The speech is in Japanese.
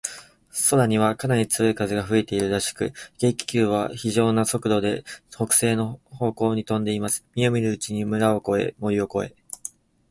空には、かなり強い風が吹いているらしく、軽気球は、ひじょうな速度で、北西の方向にとんでいます。みるみるうちに村を越え、森を越え、